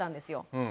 うん。